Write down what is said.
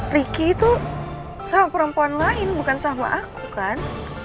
ricky itu sama perempuan lain bukan sama aku kan